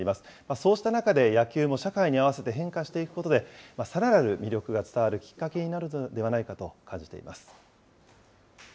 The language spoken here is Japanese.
そうした中で、野球も社会に合わせて変化していくことで、さらなる魅力が伝わるきっかけになるのではないかと感じています。